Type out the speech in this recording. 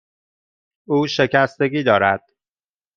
او شکستگی دارد.